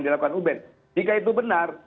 dilakukan uben jika itu benar